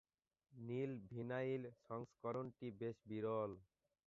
নীল vinyl সংস্করণটি বেশ বিরল।